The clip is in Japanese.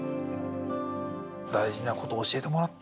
大事なこと教えてもらった。